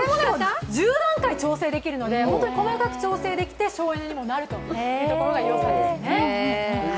１０段階調整できるので本当に細かく調整できて、省エネにもなるところが良さですね。